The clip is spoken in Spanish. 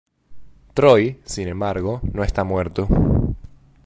Troy, sin embargo, no está muerto.